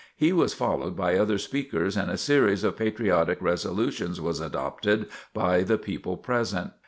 He was followed by other speakers and a series of patriotic resolutions was adopted by the people present.